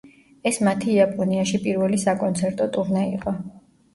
ეს მათი იაპონიაში პირველი საკონცერტო ტურნე იყო.